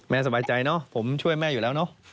สบายใจเนอะผมช่วยแม่อยู่แล้วเนอะ